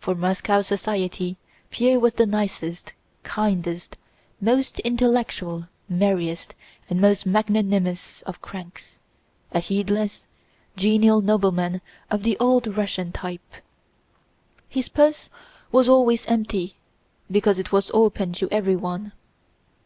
For Moscow society Pierre was the nicest, kindest, most intellectual, merriest, and most magnanimous of cranks, a heedless, genial nobleman of the old Russian type. His purse was always empty because it was open to everyone.